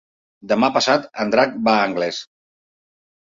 Demà passat en Drac va a Anglès.